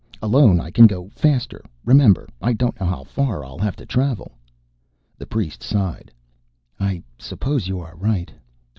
Alone, I can go faster remember, I don't know how far I'll have to travel." The priest sighed. "I suppose you are right.